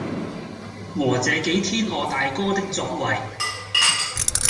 和這幾天我大哥的作爲，